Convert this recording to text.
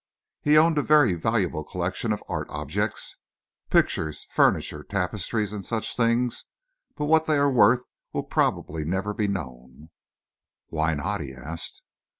He owned a very valuable collection of art objects pictures, furniture, tapestries, and such things; but what they are worth will probably never be known." "Why not?" he asked.